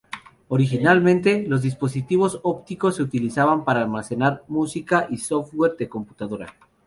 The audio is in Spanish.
Originariamente, los dispositivos ópticos se utilizaban para almacenar música y software de computadora.